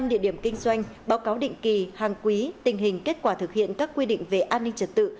một mươi địa điểm kinh doanh báo cáo định kỳ hàng quý tình hình kết quả thực hiện các quy định về an ninh trật tự